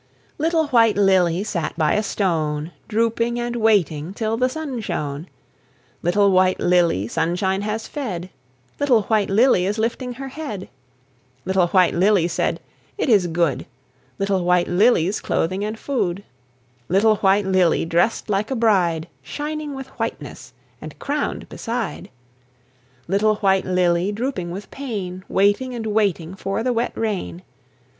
Little White Lily Sat by a stone, Drooping and waiting Till the sun shone. Little White Lily Sunshine has fed; Little White Lily Is lifting her head. Little White Lily Said: "It is good Little White Lily's Clothing and food." Little White Lily Dressed like a bride! Shining with whiteness, And crownèd beside! Little White Lily Drooping with pain, Waiting and waiting For the wet rain.